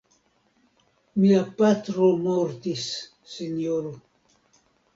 Mia patro mortis, sinjoro.